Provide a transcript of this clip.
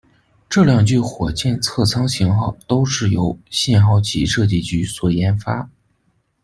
这两具火箭策舱型号都是由信号旗设计局所研发。